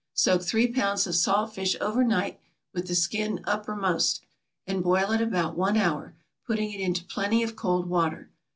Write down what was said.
= Soak three pounds of salt fish over night, with the skin uppermost, and boil it about one hour, putting it into plenty of cold water.